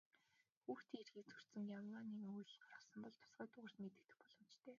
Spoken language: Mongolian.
Хүүхдийн эрхийг зөрчсөн ямарваа нэгэн үйлдэл гарсан бол тусгай дугаарт мэдэгдэх боломжтой.